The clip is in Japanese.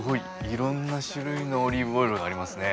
いろんな種類のオリーブオイルがありますね。